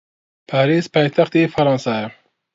پاریس پایتەختی فەڕەنسایە.